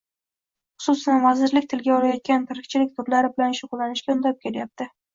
xususan, vazirlik tilga olayotgan tirikchilik turlari bilan shug‘ullanishga undab kelyapti.